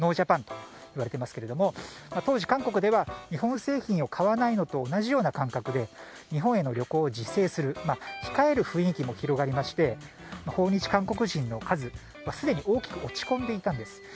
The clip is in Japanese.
ＮＯＪＡＰＡＮと言われていますが当時、韓国では日本製品を買わないのと同じような感覚で日本への旅行を自制する控える雰囲気も広がりまして訪日韓国人の数、すでに大きく落ち込んでいたんです。